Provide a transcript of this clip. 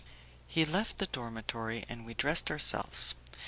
He left the dormitory, and we dressed ourselves.